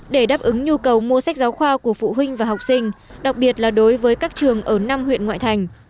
để đáp ứng nhu cầu mua sách giáo khoa của phụ huynh và học sinh đặc biệt là đối với các trường ở năm huyện ngoại thành